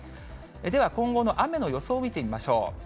では、今後の雨を予想を見てみましょう。